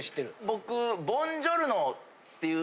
僕。